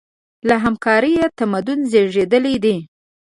له همکارۍ تمدن زېږېدلی دی.